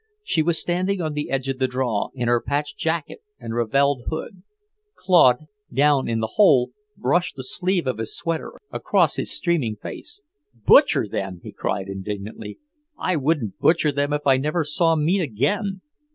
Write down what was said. She was standing on the edge of the draw, in her patched jacket and ravelled hood. Claude, down in the hole, brushed the sleeve of his sweater across his streaming face. "Butcher them?" he cried indignantly. "I wouldn't butcher them if I never saw meat again."